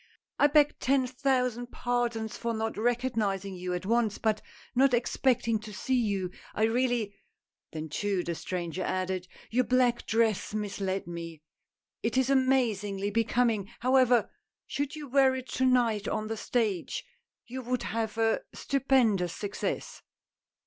I beg ten thousand pardons for not recognizing you at once, but not expecting to see you, I really Then too," the stranger added, " your black dress misled me — it is amazingly becoming, however; should you wear it to night on the stage, you would have a stupendous success."